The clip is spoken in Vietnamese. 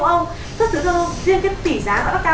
xuất sứ châu âu riêng cái tỷ giá nó đã cao hơn việt nam rất là nhiều